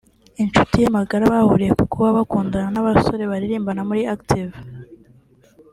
inshuti ye magara bahuriye ku kuba bakundana n’abasore baririmbana muri Active